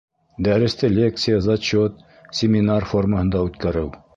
Дәресте лекция, зачет, семинар формаһында үткәреү.